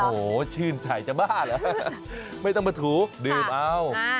โอ้โหชื่นใจจะบ้าเหรอไม่ต้องมาถูดื่มเอา